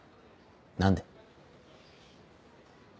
何で？